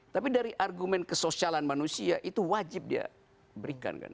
tapi dari argumen kesosialan manusia itu wajib dia berikan kan